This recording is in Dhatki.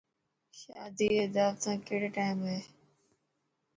شادي ري داوتو ڪهڙي ٽائم هي.